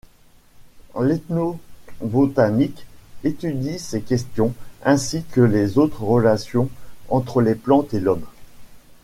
L'ethnobotanique étudie ces questions, ainsi que les autres relations entre les plantes et l'homme.